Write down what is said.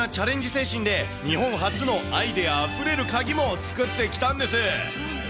精神で、日本初のアイデアあふれる鍵も作ってきたんです。